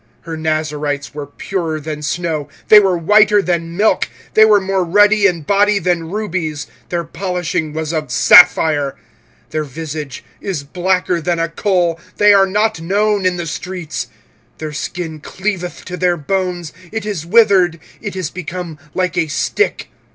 25:004:007 Her Nazarites were purer than snow, they were whiter than milk, they were more ruddy in body than rubies, their polishing was of sapphire: 25:004:008 Their visage is blacker than a coal; they are not known in the streets: their skin cleaveth to their bones; it is withered, it is become like a stick.